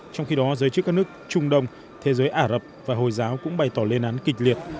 trong khi đó giới chức các nước trung đông thế giới ả rập và hồi giáo cũng bày tỏ lên án kịch liệt